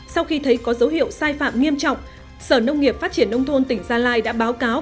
sau khi thấy có dấu hiệu sai phạm nghiêm trọng sở nông nghiệp phát triển nông thôn tỉnh gia lai đã báo cáo